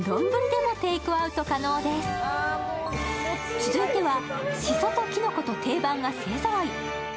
続いては、しそときのこと定番が勢ぞろい。